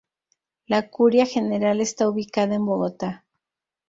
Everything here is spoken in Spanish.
La Curia General está ubicada en Bogotá.